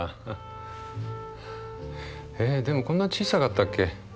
えでもこんな小さかったっけ。